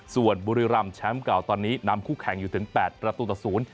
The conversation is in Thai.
ส่วนบุรีรำแชมป์เก่าตอนนี้นำคู่แข่งอยู่ถึง๘ประตูต่อศูนย์